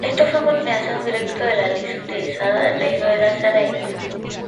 Esto fue una continuación directa de la liras utilizadas en el Reino de Cerdeña.